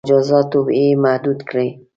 • په مجازاتو یې محدود کړئ.